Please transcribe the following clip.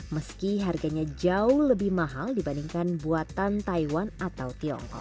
meski harganya jauh lebih mahal dibandingkan buatan taiwan atau tiongkok